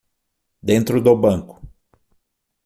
Dentro do banco